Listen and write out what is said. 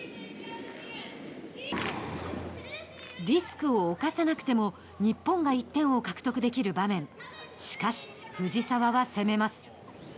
リスクを冒さなくても日本が１点を獲得できる場面しかし、藤澤は攻めます。